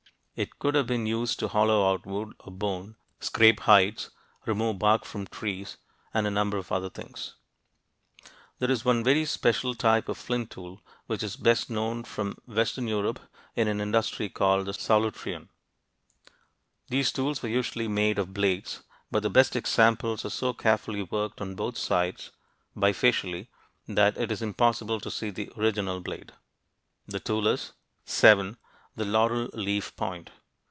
It could have been used to hollow out wood or bone, scrape hides, remove bark from trees, and a number of other things (p. 78). There is one very special type of flint tool, which is best known from western Europe in an industry called the Solutrean. These tools were usually made of blades, but the best examples are so carefully worked on both sides (bifacially) that it is impossible to see the original blade. This tool is 7. The "laurel leaf" point.